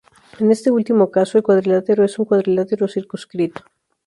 En este último caso, el cuadrilátero es un cuadrilátero circunscrito.